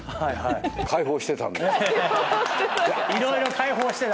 解放してた。